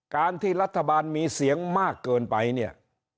การที่รัฐบาลมีเสียงมากเกินไปเนี่ย